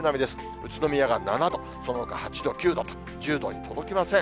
宇都宮が７度、そのほか８度、９度とか、１０度に届きません。